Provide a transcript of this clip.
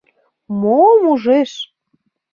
Мом ужеш?!